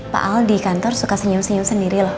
pak al di kantor suka senyum senyum sendiri loh